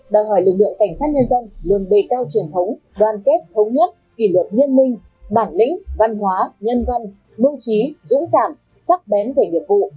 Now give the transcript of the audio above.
đòi hỏi lực lượng cảnh sát nhân dân luôn đề cao truyền thống đoàn kết thống nhất kỷ luật nghiêm minh bản lĩnh văn hóa nhân văn mưu trí dũng cảm sắc bén về nghiệp vụ